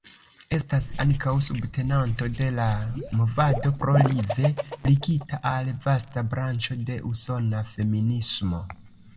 Estas ankaŭ subtenanto de la movado "Pro-Live", ligita al vasta branĉo de usona feminismo.